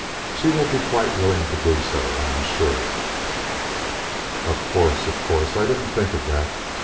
She will be quite willing to do so, I am sure." "Of course, of course I didn't think of that.